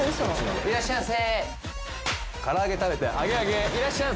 いらっしゃいませ。